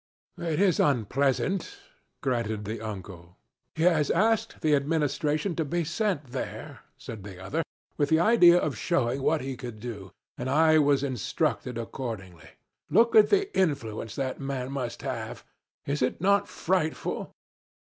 'It is unpleasant,' grunted the uncle. 'He has asked the Administration to be sent there,' said the other, 'with the idea of showing what he could do; and I was instructed accordingly. Look at the influence that man must have. Is it not frightful?'